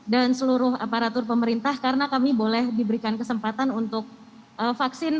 dan seluruh aparatur pemerintah karena kami boleh diberikan kesempatan untuk vaksin